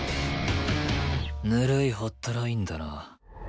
ぬるいホットラインだな。